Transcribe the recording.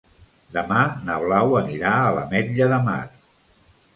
Demà na Blau anirà a l'Ametlla de Mar.